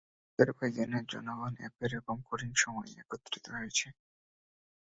আজারবাইজানের জনগণ এইরকম কঠিন সময়ে একত্রিত হয়েছে।